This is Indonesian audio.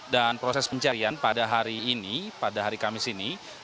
dan proses pencarian pada hari ini pada hari kamis ini